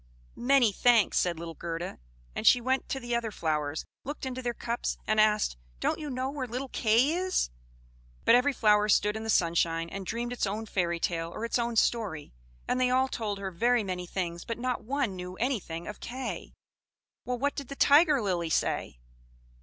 "Many thanks!" said little Gerda; and she went to the other flowers, looked into their cups, and asked, "Don't you know where little Kay is?" But every flower stood in the sunshine, and dreamed its own fairy tale or its own story: and they all told her very many things, but not one knew anything of Kay. Well, what did the Tiger Lily say?